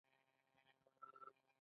د سکارو مالک به هم غنمو ته اړتیا درلوده